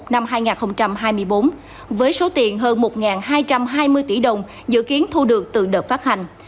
năm hai nghìn hai mươi bốn với số tiền hơn một hai trăm hai mươi tỷ đồng dự kiến thu được từ đợt phát hành